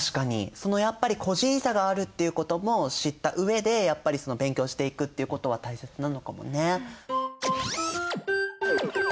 そのやっぱり個人差があるっていうことも知った上でやっぱり勉強していくっていうことは大切なのかもね。